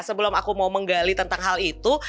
sebelum aku mau menggali tentang hal itu